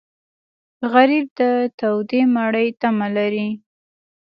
غریب د تودې مړۍ تمه لري